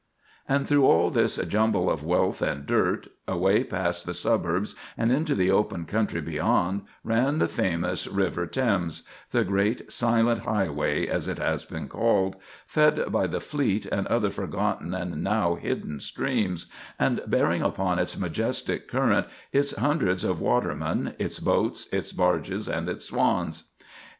And through all this jumble of wealth and dirt, away past the suburbs and into the open country beyond, ran "the famous River Thames"—the "great silent highway," as it has been called,—fed by the Fleet and other forgotten and now hidden streams, and bearing upon its majestic current its hundreds of watermen, its boats, its barges, and its swans.